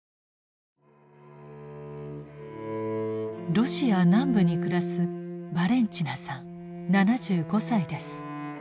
ロシア南部に暮らすバレンチナさん７５歳です。